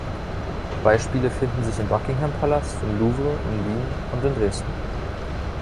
Beispiele finden sich im Buckingham Palast, im Louvre, in Wien und in Dresden.